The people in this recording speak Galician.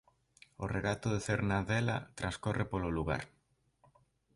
O regato da Cernadela transcorre polo lugar.